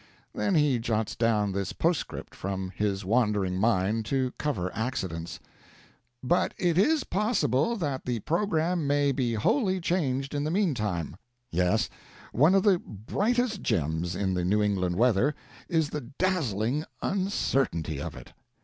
Then he jots down this postscript from his wandering mind, to cover accidents: "But it is possible that the program may be wholly changed in the mean time." Yes, one of the brightest gems in the New England weather is the dazzling uncertainty of it.